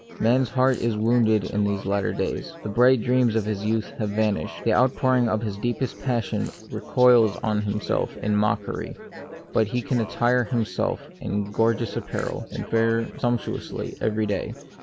Man's heart is wounded in these latter days ; the bright dreams of his youth have vanished ; the outpouring of his deepest passion recoils on himself in mockery ; but he can attire him self in gorgeous apparel, and fare sumptuously every day.